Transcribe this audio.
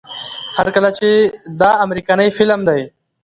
هر کله چې دا امريکنے فلم دے